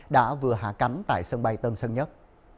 đã vừa hạ cánh tại sân bay tân sơn nhất